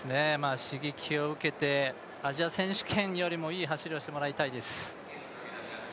刺激を受けて、アジア選手権よりもいい走りをしてもらいたいです。